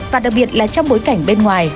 và đặc biệt là trong bối cảnh bên ngoài